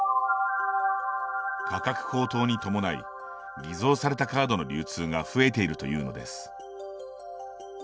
価格高騰に伴い偽造されたカードの流通が増えているというのです。